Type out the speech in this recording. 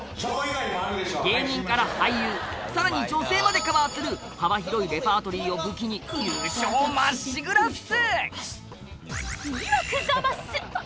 芸人から俳優さらに女性までカバーする幅広いレパートリーを武器に優勝まっしぐらっす！